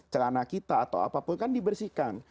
celana kita atau apapun kan dibersihkan